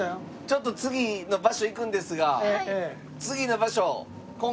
ちょっと次の場所行くんですが。